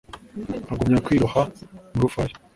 Nkagumya kwiroha mu rufaya